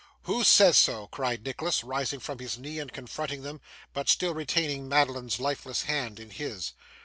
'Who says so?' cried Nicholas, rising from his knee and confronting them, but still retaining Madeline's lifeless hand in his.